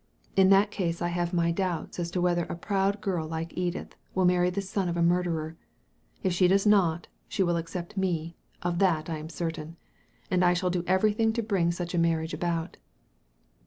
In that case I have my doubts as to whether a proud girl like Edith will marry the son of a murderer. If she does not, she will accept me, of that I am certain ; and I shall do everything to bring such a marriage about."